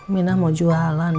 minah mau jualan